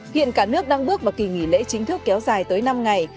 hiện cả nước đang bước vào kỳ nghỉ lễ chính thức kéo dài tới năm ngày